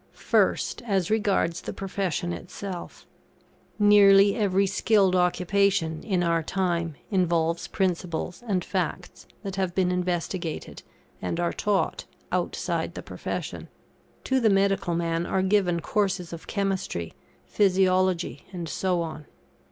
First, as regards the profession itself. Nearly every skilled occupation, in our time, involves principles and facts that have been investigated, and are taught, outside the profession; to the medical man are given courses of Chemistry, Physiology, and so on.